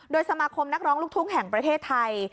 โดยสมาคมนักร้องลูกทุ่งแห่งประเทศไทย